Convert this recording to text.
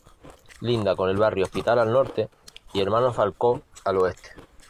Linda con el barrio Hospital al norte y Hermanos Falcó al oeste.